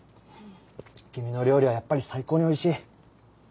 君の料理はやっぱり最高においしい。